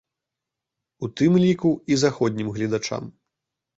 У тым ліку і заходнім гледачам.